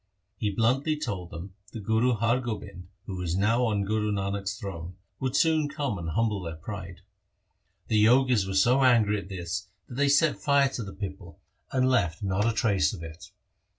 He bluntly told them that Guru Har Gobind, who was now on Guru Nanak's throne, would soon come and humble their pride. The Jogis were so angry at this, that they set fire to the pipal and left LIFE OF GURU HAR GOBIND 51 not a trace of it.